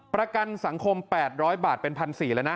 ประกันสังคม๘๐๐บาทเป็น๑๔๐๐แล้วนะ